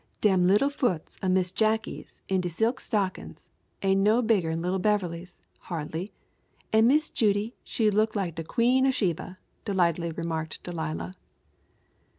"Dem little foots o' Miss Jacky's in de silk stockin's ain' no bigger 'n little Beverley's, hardly, and Miss Judy she look like de Queen o' Sheba," delightedly remarked Delilah.